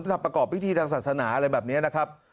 ทำประกอบพิธีทางศาสนาอะไรแบบนี้นะครับ